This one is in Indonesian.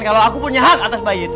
kalau aku punya hak atas bayi itu